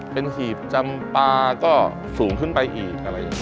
เป็นหีบจำปลาก็สูงขึ้นไปอีก